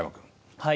はい。